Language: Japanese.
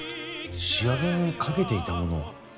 仕上げにかけていたものは？